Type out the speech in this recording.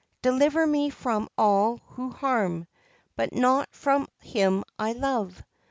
Deliver me from all who harm, But not from him I love.